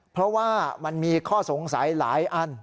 เพราะว่ามันมีข้อสงสัยหลายอัน